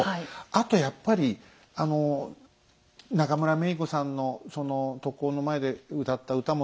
あとやっぱり中村メイコさんの特攻の前で歌った歌もそうだし